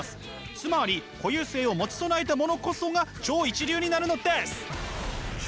つまり固有性を持ち備えた者こそが超一流になるのです！